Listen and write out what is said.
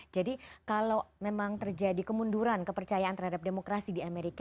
jadi kalau memang terjadi kemunduran kepercayaan terhadap demokrasi di amerika